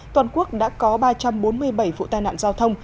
toàn quốc đã có ba trăm bốn mươi bảy vụ tai nạn giao thông